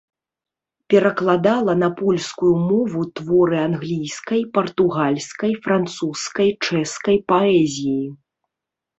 Перакладала на польскую мову творы англійскай, партугальскай, французскай, чэшскай паэзіі.